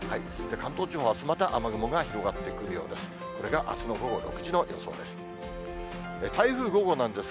関東地方はあす、また雨雲が広がってくるようです。